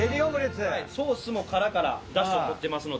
ソースも殻からダシを取ってますので。